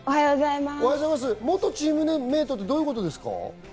元チームメートってどういうことですか？